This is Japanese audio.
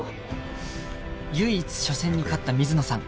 唯一初戦に勝った水野さん